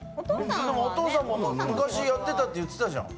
お父さん、昔やってたって言ってたじゃん。